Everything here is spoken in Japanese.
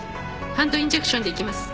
ハンドインジェクションでいきます。